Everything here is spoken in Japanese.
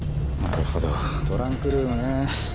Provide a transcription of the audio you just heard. なるほどトランクルームね